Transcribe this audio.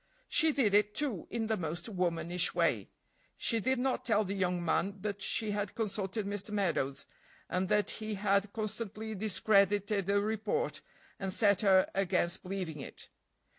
She did it, too, in the most womanish way. She did not tell the young man that she had consulted Mr. Meadows, and that he had constantly discredited the report, and set her against believing it.